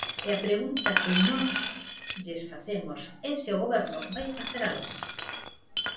E a pregunta que nós lles facemos é se o Goberno vai facer algo.